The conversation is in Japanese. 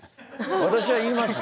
私は言いますね。